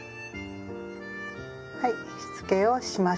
はいしつけをしました。